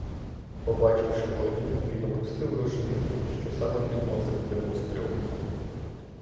Побачивши вогні, він опустив рушницю, що саме підносив для пострілу.